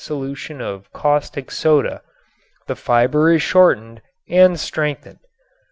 solution of caustic soda the fiber is shortened and strengthened.